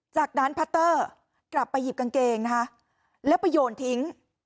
จากนั้นพัตเตอร์กลับไปหยิบกางเกงนะคะแล้วไปโยนทิ้ง